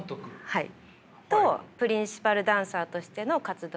はい。